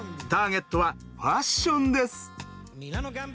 ターゲットはファッションです！